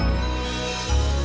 hal amerika itu